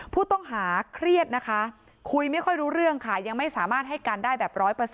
ผู้ต้องหาเครียดนะคะคุยไม่ค่อยรู้เรื่องค่ะยังไม่สามารถให้การได้แบบ๑๐๐